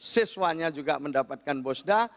siswanya juga mendapatkan bosda